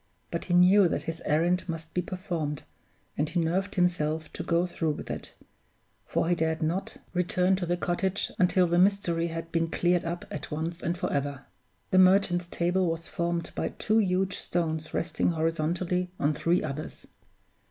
But he knew that his errand must be performed, and he nerved himself to go through with it; for he dared not return to the cottage until the mystery had been cleared up at once and forever. The Merchant's Table was formed by two huge stones resting horizontally on three others.